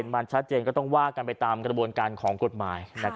มันชัดเจนก็ต้องว่ากันไปตามกระบวนการของกฎหมาย